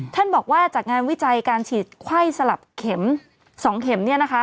ท่านบอกว่าจากงานวิจัยการฉีดไข้สลับเข็ม๒เข็ม